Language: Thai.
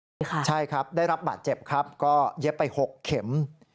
ใช่ค่ะใช่ครับได้รับบาดเจ็บครับก็เย็บไป๖เข็ม